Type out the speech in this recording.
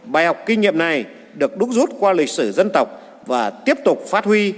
bài học kinh nghiệm này được đúc rút qua lịch sử dân tộc và tiếp tục phát huy